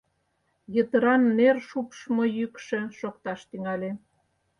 Йытыран нер шупшмо йӱкшӧ шокташ тӱҥале.